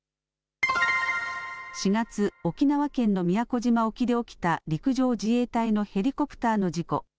４月、沖縄県の宮古島沖で起きた陸上自衛隊のヘリコプターの事故。